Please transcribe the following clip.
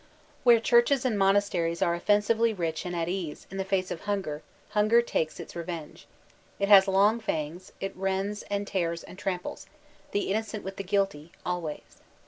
Where Churches and Monasteries are oflFensively rich and at ease in the face of Hunger, Hunger takes its revenge. It has long fangs, it rends, and tears^ and tramples — ^the innocent with the guilty — always.